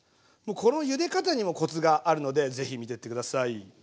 このゆで方にもコツがあるのでぜひ見てって下さい。